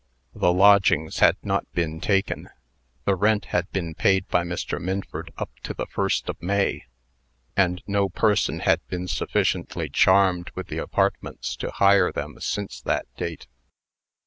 The lodgings had not been taken. The rent had been paid by Mr. Minford up to the 1st of May; and no person had been sufficiently charmed with the apartments to hire them since that date.